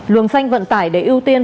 luồng xanh vận tải để ưu tiên